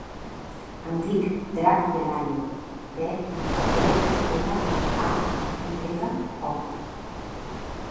Em dic Drac Pelayo: pe, e, ela, a, i grega, o.